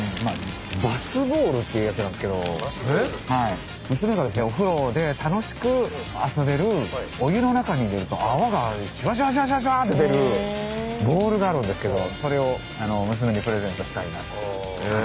バスボールっていうやつなんですけど娘がですねお風呂で楽しく遊べるお湯の中に入れると泡がシュワシュワシュワシュワって出るボールがあるんですけどそれを娘にプレゼントしたいなと。